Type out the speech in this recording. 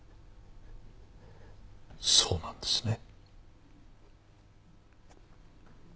そうなんですね？